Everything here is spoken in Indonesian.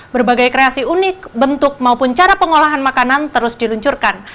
berbagai kreasi unik bentuk maupun cara pengolahan makanan terus diluncurkan